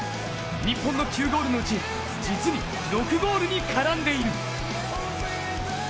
日本の９ゴールのうち実に６ゴールに絡んでいる。